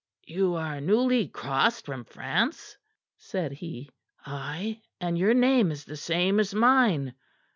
"You are newly crossed from France?" said he. "Ay, and your name is the same as mine.